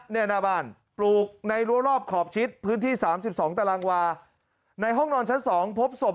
หน้าบ้านปลูกในรั้วรอบขอบชิดพื้นที่๓๒ตารางวาในห้องนอนชั้น๒พบศพ